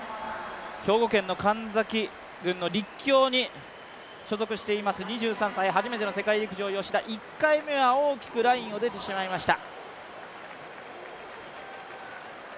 兵庫県神崎郡の所属しています、２３歳、初めての世界陸上、吉田、１回目は大きくラインを出てしまいました。